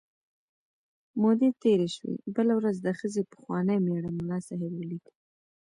مودې تېرې شوې، بله ورځ د ښځې پخواني مېړه ملا صاحب ولید.